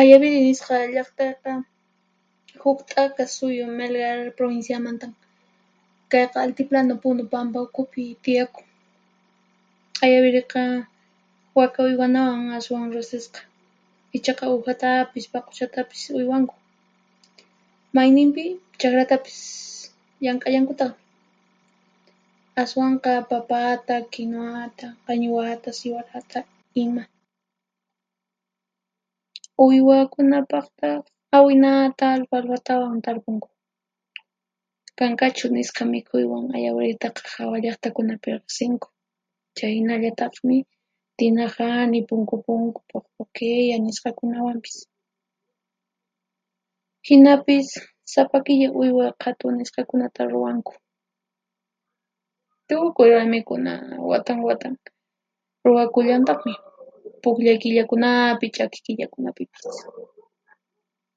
Ayaviri nisqa llaqtayqa, huq t'aqa suyu Melgar pruwinsyamanta. Kayqa altiplano Punu pampa ukhupi tiyakun. Ayaviriqa, waka uywanawan ashwan riqsisqa, ichaqa uhatapis, paquchatapis uywanku. Mayninpi chaqratapis llank'allankutaqmi; ashwanqa papata, kinuwata, qañiwata, siwarata, ima; uywakunapaqtaq awinata, alfalfatawan tarpunku. Kankachu nisqa mikhuywan Ayawiritaqa hawa llaqtakunapi riqsinku; chhaynallataqmi Tinahani, Punku Punku, Puqpuqilla nisqakunawanpis. Hinapis, sapa killa uywa qhatu nisqakunata ruwanku. Tukuy raymikuna watan watan ruwakullantaqmi, puqllay killakunapi, ch'aki killakunapipis.